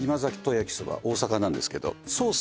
焼きそば大阪なんですけどソース